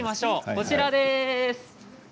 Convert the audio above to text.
こちらです。